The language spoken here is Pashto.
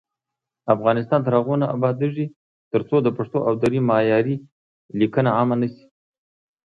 افغانستان تر هغو نه ابادیږي، ترڅو د پښتو او دري معیاري لیکنه عامه نشي.